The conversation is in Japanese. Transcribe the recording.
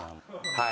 はい。